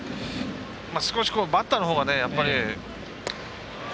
少しバッターのほうがやっぱり。